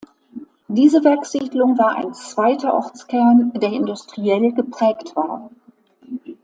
Diese Werkssiedlung war ein zweiter Ortskern, der industriell geprägt war.